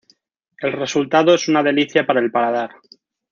El resultado es una delicia para el paladar.